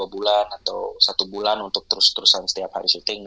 dua bulan atau satu bulan untuk terus terusan setiap hari syuting